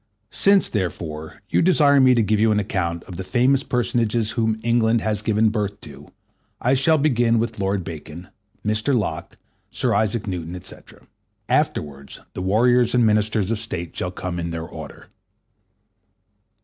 Since, therefore, you desire me to give you an account of the famous personages whom England has given birth to, I shall begin with Lord Bacon, Mr. Locke, Sir Isaac Newton, &c. Afterwards the warriors and Ministers of State shall come in their order.